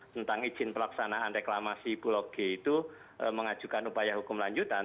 tentang izin pelaksanaan reklamasi pulau g itu mengajukan upaya hukum lanjutan